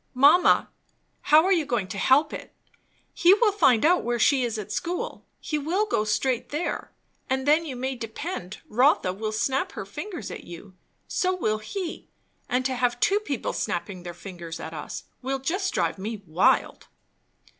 "Mamma, how are you going to help it? He will find out where she is at school he will go straight there, and then you may depend Rotha will snap her fingers at you. So will he; and to have two people snapping their fingers at us will just drive me wild."